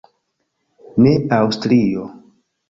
Ne Aŭstrio.